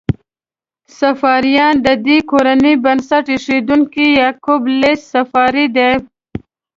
صفاریان: د دې کورنۍ بنسټ ایښودونکی یعقوب لیث صفاري دی.